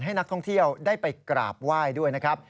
ให้นักท่องเที่ยวได้ไปกราบไหว้ด้วยนะครับ